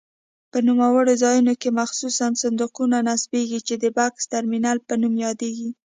په نوموړو ځایونو کې مخصوص صندوقونه نصبېږي چې د بکس ترمینل په نوم یادیږي.